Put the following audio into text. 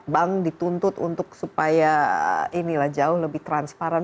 bank dituntut untuk supaya inilah jauh lebih transparan